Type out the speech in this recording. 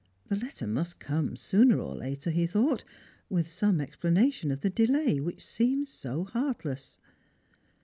The letter must come sooner or later, he thought, with some ex planation of the delay which seemed so heartless.